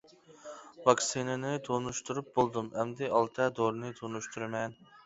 ۋاكسىنىنى تونۇشتۇرۇپ بولدۇم ئەمدى ئالتە دورىنى تونۇشتۇرىمەن.